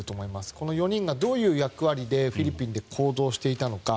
この４人がどういう役割でフィリピンで行動していたのか。